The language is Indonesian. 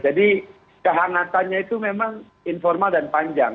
jadi kehangatannya itu memang informal dan panjang